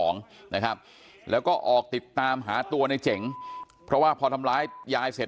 นะครับแล้วก็ออกติดตามหาตัวในเจ๋งเพราะว่าพอทำร้ายยายเสร็จ